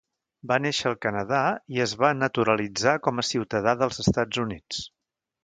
Va néixer al Canadà i es va naturalitzar com a ciutadà dels Estats Units.